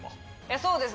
そうですね。